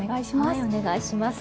お願いします。